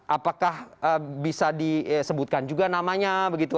apakah bisa disebutkan juga namanya begitu